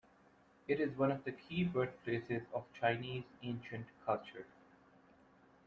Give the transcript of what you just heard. It is one of the key birthplaces of Chinese ancient culture.